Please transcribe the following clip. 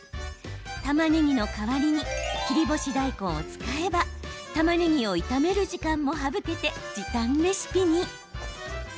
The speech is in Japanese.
たまねぎの代わりに切り干し大根を使えばたまねぎを炒める時間も省けて時短レシピに。